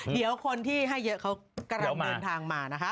เดี๋ยวคนที่ให้เยอะเขากำลังเดินทางมานะคะ